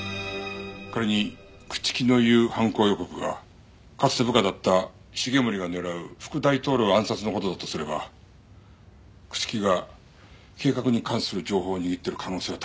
仮に朽木の言う犯行予告がかつて部下だった繁森が狙う副大統領暗殺の事だとすれば朽木が計画に関する情報を握っている可能性は高い。